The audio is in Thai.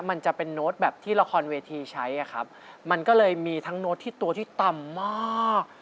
มันจะเป็นโน้ตแบบที่ละครเวทีใช้อ่ะครับมันก็เลยมีทั้งโน้ตที่ตัวที่ต่ำมาก